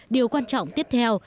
điều quan trọng tiếp theo